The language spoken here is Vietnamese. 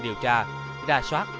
điều tra ra soát